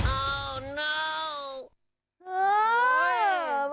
โอ้น้าว